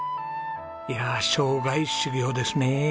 いや生涯修業ですね。